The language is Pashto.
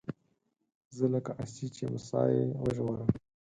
زه لکه آسيې چې موسی يې وژغوره